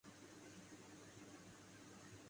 سنیل گواسکر کی یہ